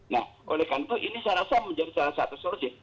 nah oleh karena itu ini saya rasa menjadi salah satu solusi